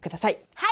はい！